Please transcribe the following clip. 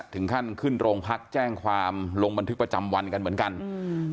ถึงขั้นขึ้นโรงพักแจ้งความลงบันทึกประจำวันกันเหมือนกันอืม